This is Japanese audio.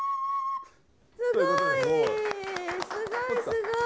すごい！